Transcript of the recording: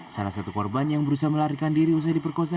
salah satu korban yang berusaha melarikan diri usai diperkosa